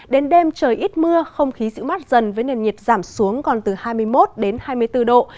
đến đêm trời ít mưa không khí dịu mát dần với nền nhiệt giảm xuống còn từ hai mươi một đến hai mươi bốn độ